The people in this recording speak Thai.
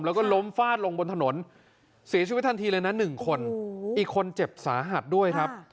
แล้วก็ล้มฟาดลงบนถนนเสียชีวิตทันทีเลยนะ๑คนอีกคนเจ็บสาหัสด้วยครับ